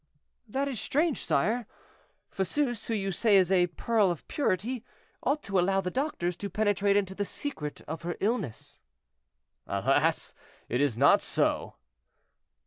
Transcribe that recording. "That is strange, sire. Fosseuse, who you say is a pearl of purity, ought to allow the doctors to penetrate into the secret of her illness." "Alas! it is not so."